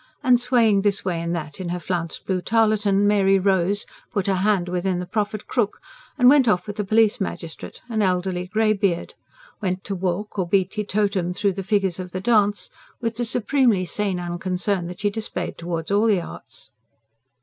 And, swaying this way and that in her flounced blue tarletan, Mary rose, put her hand within the proffered crook, and went off with the Police Magistrate, an elderly greybeard; went to walk or be teetotumed through the figures of the dance, with the supremely sane unconcern that she displayed towards all the arts.